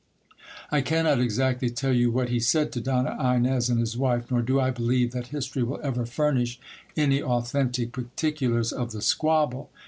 I cannot exactly tell you what he said to Donna Inez and his wife ; nor do I believe that history will ever furnish any authentic par ticulars of the squabble.